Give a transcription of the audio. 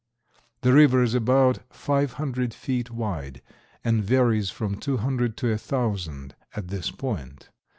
The river is about five hundred feet wide and varies from two hundred to a thousand at this point.